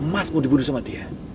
emas mau dibunuh sama dia